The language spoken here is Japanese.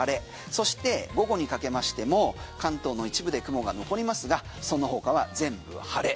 そして午後にかけましても関東の一部で雲が残りますがその他は全部晴れ。